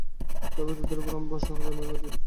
তবেই তোদের উপর আমার ভরসা হবে, নইলে ইতি।